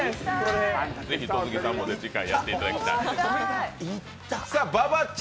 ぜひ戸次さんも次回やっていただきたい。